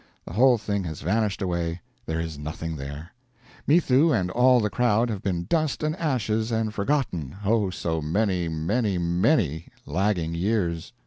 the whole thing has vanished away, there is nothing there; Mithoo and all the crowd have been dust and ashes and forgotten, oh, so many, many, many lagging years!